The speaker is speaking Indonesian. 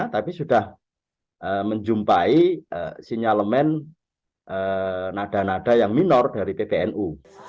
tapi sudah menjumpai sinyalemen nada nada yang minor dari pbnu